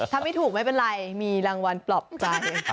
ถ้าไม่ถูกไม่เป็นไรมีรางวัลปลอบใจ